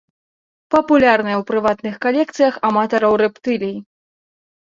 Папулярная ў прыватных калекцыях аматараў рэптылій.